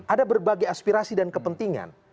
ada berbagai aspirasi dan kepentingan